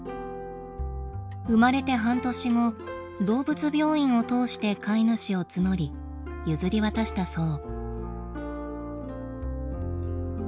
生まれて半年後動物病院を通して飼い主を募り譲り渡したそう。